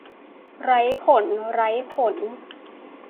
ไรขน ไรขน